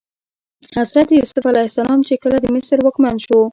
حضرت یوسف علیه السلام چې کله د مصر واکمن شو.